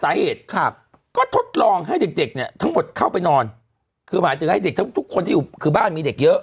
สาเหตุครับก็ทดลองให้เด็กเด็กเนี่ยทั้งหมดเข้าไปนอนคือหมายถึงให้เด็กทั้งทุกคนที่อยู่คือบ้านมีเด็กเยอะ